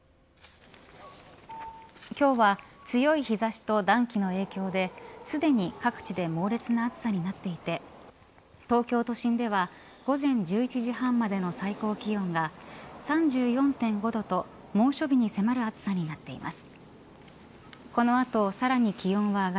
今日は強い日差しと暖気の影響ですでに各地で猛烈な暑さになっていて東京都心では午前１１時半までの最高気温が３４．５度と猛暑日に迫る暑さになっています。